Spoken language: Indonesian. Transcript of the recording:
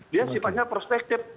dia sifatnya prospektif